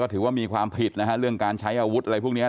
แต่ว่ามันยิงกันอย่างงี้โอโห